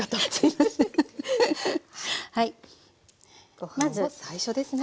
ご飯を最初ですね。